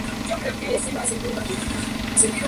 El conjunto santafesino lo haría jugar de mediocampista.